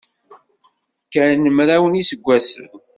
Kkan mraw n yiseggasen.